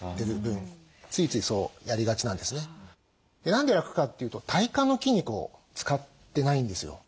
何で楽かっていうと体幹の筋肉を使ってないんですよ。